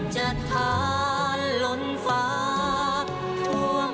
จากไปแล้วพระผู้บรรลุการ